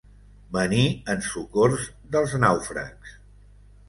Venir en socors dels nàufrags.